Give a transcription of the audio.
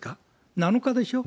７日でしょう。